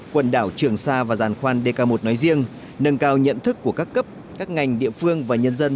quần đảo trường sa và giàn khoan dk một nói riêng nâng cao nhận thức của các cấp các ngành địa phương và nhân dân